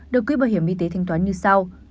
được quỹ bảo hiểm y tế thanh toán như sau